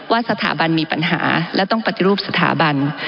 สถาบันมีปัญหาและต้องปฏิรูปสถาบัน